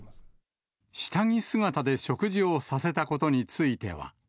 下着姿で食事をさせたことについては。